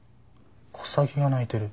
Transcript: コサギが鳴いてる。